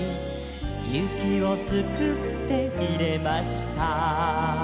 「雪をすくって入れました」